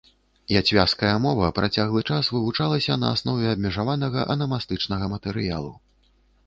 Яцвяжская мова працяглы час вывучалася на аснове абмежаванага анамастычнага матэрыялу.